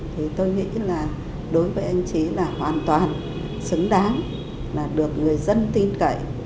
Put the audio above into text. thì tôi nghĩ là đối với anh trí là hoàn toàn xứng đáng là được người dân tin cậy